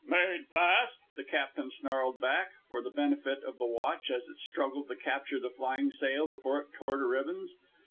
"Made fast?" the Captain snarled back, for the benefit of the watch as it struggled to capture the flying sail before it tore to ribbons.